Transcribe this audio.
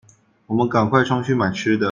我們趕快衝去買吃的